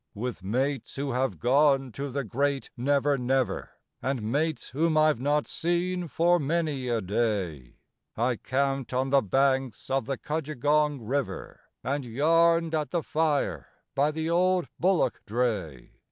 With mates who have gone to the great Never Never, And mates whom I've not seen for many a day, I camped on the banks of the Cudgegong River And yarned at the fire by the old bullock dray.